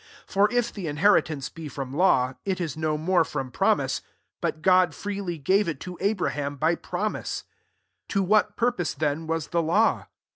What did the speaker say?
18 For if the inheritance be from law, i^ >• no more from promise : but Sod fireelj gave it to^Abraham >y promise. 19 To what fiur ^ iMe then was the law